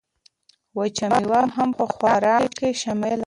وچه مېوه هم په خوراک کې شامله کړئ.